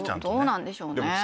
どうなんでしょうね？